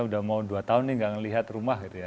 udah mau dua tahun nih gak ngeliat rumah gitu ya